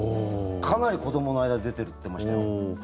かなり子どもの間で出てるって言ってましたよ。